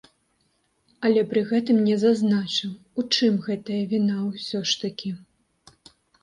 Але пры гэтым не зазначыў, у чым гэтая віна ўсё ж такі.